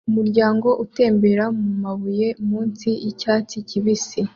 Umuryango utembera mumabuye munsi yicyatsi kibisi